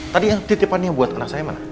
tadi yang titipannya buat anak saya mana